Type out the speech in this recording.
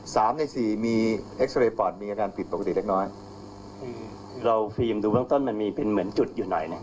สามในสี่มีเอ็กซาเรย์ปอดมีอาการผิดปกติเล็กน้อยอืมเราฟรีมดูเบื้องต้นมันมีเป็นเหมือนจุดอยู่หน่อยเนี่ย